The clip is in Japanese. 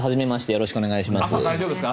よろしくお願いします。